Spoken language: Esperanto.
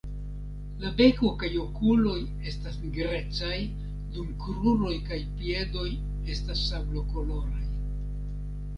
La beko kaj okuloj estas nigrecaj, dum kruroj kaj piedoj estas sablokoloraj.